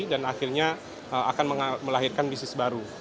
dan akhirnya akan melahirkan bisnis baru